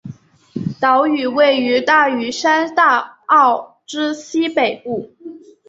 岛屿位于大屿山大澳之西北部。